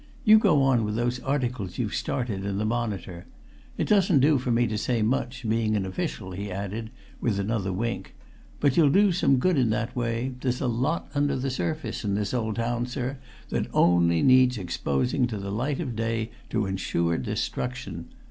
You go on with those articles you've started in the Monitor. It doesn't do for me to say much, being an official," he added, with another wink, "but you'll do some good in that way there's a lot under the surface in this old town, sir, that only needs exposing to the light of day to ensure destruction!